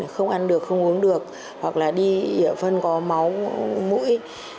không ăn được không uống được hoặc là đi ở phân có máu mũi